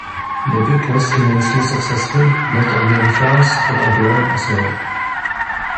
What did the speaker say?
The book was immensely successful not only in France but abroad as well.